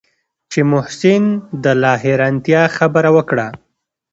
چې محسن د لا حيرانتيا خبره وکړه.